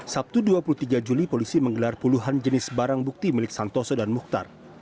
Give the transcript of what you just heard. sabtu dua puluh tiga juli polisi menggelar puluhan jenis barang bukti milik santoso dan mukhtar